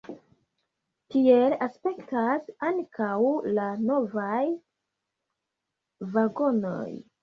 Tiel aspektas ankaŭ la novaj vagonoj.